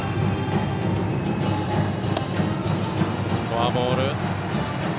フォアボール。